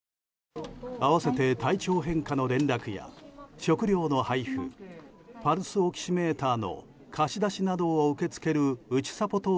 併せて体調変化の連絡や食料の配布パルスオキシメーターの貸し出しなどを受け付けるうちさぽ